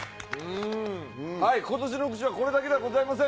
ことしの副賞はこれだけではございません。